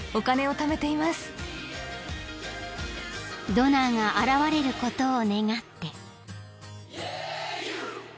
［ドナーが現れることを願って］